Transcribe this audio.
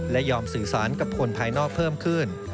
และยอมสื่อสารกับคนภายนอกเพิ่มขึ้น